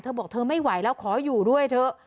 บอกเธอไม่ไหวแล้วขออยู่ด้วยเถอะ